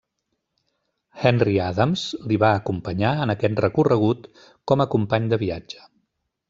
Henry Adams li va acompanyar en aquest recorregut com a company de viatge.